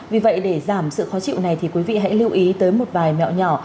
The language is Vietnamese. vì vậy để giảm sự khó chịu này thì quý vị hãy lưu ý tới một vài mẹo nhỏ